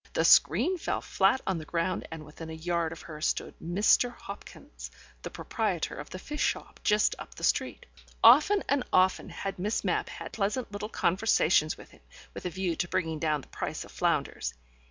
The screen fell flat on the ground and within a yard of her stood Mr. Hopkins, the proprietor of the fish shop just up the street. Often and often had Miss Mapp had pleasant little conversations with him, with a view to bringing down the price of flounders.